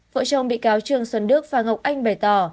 vợ chồng bị cáo trương xuân đức và ngọc anh bày tỏ